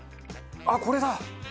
あっこれだ。